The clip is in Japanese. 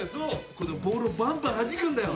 このボールをバンバンはじくんだよ。